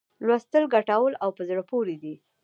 لوستل ګټور او په زړه پوري دي.